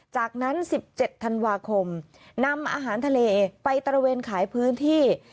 จากนั้น๑๗ธันวาคมนำอาหารทะเลไปตระเวนขายพื้นที่